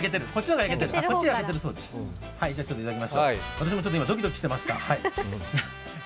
私もちょっと今、ドキドキしてました。